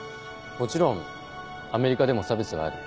もちろんアメリカでも差別はある